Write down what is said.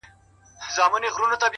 اخلاص د اړیکو ریښتینی بنسټ دی’